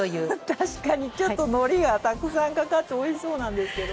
確かにちょっとのりがたくさんかかっておいしそうなんですけど。